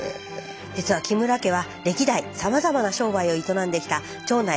実は木村家は歴代さまざまな商売を営んできた町内屈指の名家なんだそう。